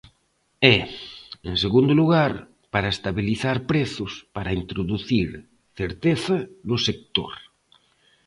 E, en segundo lugar, para estabilizar prezos, para introducir certeza no sector.